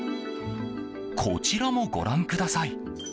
こちらも、ご覧ください。